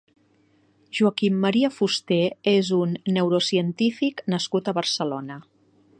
Joaquín Maria Fuster és un neurocientífic nascut a Barcelona.